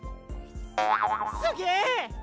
すげえ！